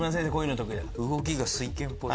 動きが酔拳っぽい。